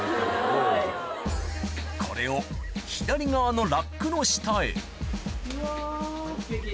これを左側のラックの下へうわ。